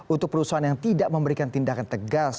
untuk perusahaan yang tidak memberikan tindakan tegas